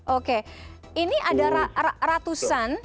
oke ini ada ratusan